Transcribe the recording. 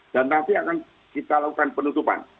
dan nanti akan kita lakukan penutupan